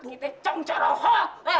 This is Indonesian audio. hina kita cengcar rohok